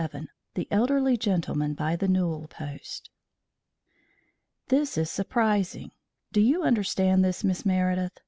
VII THE ELDERLY GENTLEMAN BY THE NEWEL POST "This is surprising. Do you understand this, Miss Meredith?